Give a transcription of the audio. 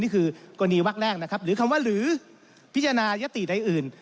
นี่คือกรณีวักแรกนะครับหรือคำว่าหรือพิจารณายติใดอื่น